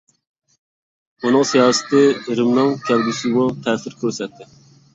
ئۇنىڭ سىياسىتى رىمنىڭ كەلگۈسىگىمۇ تەسىر كۆرسەتتى.